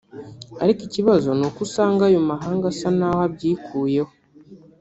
ariko ikibazo ni uko usanga ayo mahanga asa naho abyikuyeho